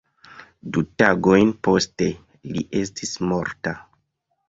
Du tagojn poste, li estis morta.